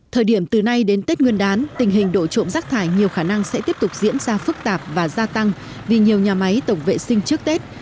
thời điểm từ nay đến tết nguyên đán tình hình đổ trộm rác thải nhiều khả năng sẽ tiếp tục diễn ra phức tạp và gia tăng vì nhiều nhà máy tổng vệ sinh trước tết